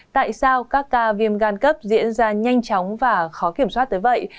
tại sao các ca viêm gan cấp diễn ra nhanh chóng và khó kiểm soát tới vậy